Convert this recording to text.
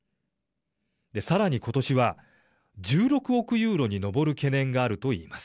さらに今年は１６億ユーロに上る懸念があると言います。